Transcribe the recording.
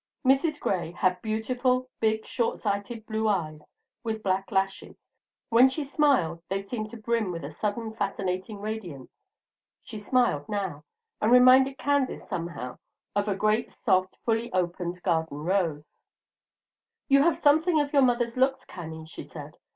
Mrs. Gray had beautiful, big, short sighted blue eyes with black lashes; when she smiled they seemed to brim with a sudden fascinating radiance. She smiled now, and reminded Candace somehow of a great, soft, fully opened garden rose. "You have something of your mother's looks, Cannie," she said.